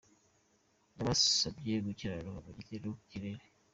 Yabasabye gukiranuka ku gito no ku kinini.